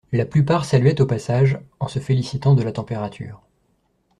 La plupart saluaient au passage, en se félicitant de la température.